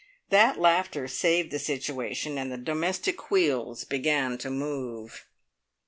That laughter saved the situation, and the domestic wheels began to move.